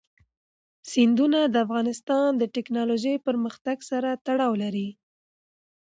سیندونه د افغانستان د تکنالوژۍ پرمختګ سره تړاو لري.